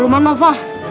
udah lumayan mau fa